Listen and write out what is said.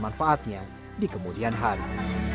manfaatnya di kemudian hari